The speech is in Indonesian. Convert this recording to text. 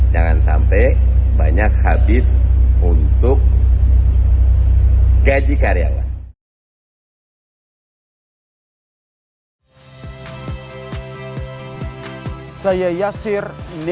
jangan sampai banyak habis untuk gaji karyawan